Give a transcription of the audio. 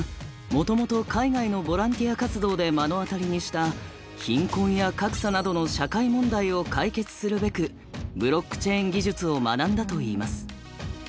もともと海外のボランティア活動で目の当たりにした貧困や格差などの社会問題を解決するべくブロックチェーン技術を学んだといいます。